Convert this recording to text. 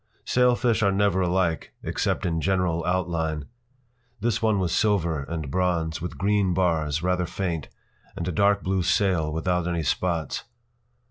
p> Sailfish are never alike, except in general outline. This one was silver and bronze, with green bars, rather faint, and a dark blue sail without any spots.